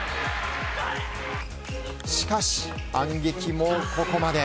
しかし反撃もここまで。